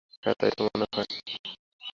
হ্যাঁ তাই তো মনে হয়।